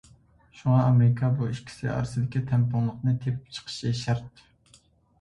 شۇڭا ئامېرىكا بۇ ئىككىسى ئارىسىدىن تەڭپۇڭلۇقنى تېپىپ چىقىشى شەرت.